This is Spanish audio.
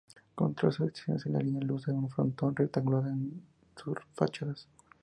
Como otras estaciones de la línea luce un frontón rectangular en sus fachadas.